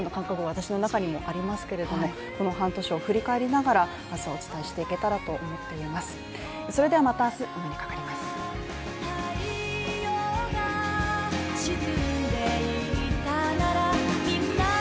私の中にもありますけどもこの半年を振り返りながら明日はお伝えしていければと思います。